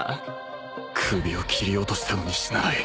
首を斬り落としたのに死なない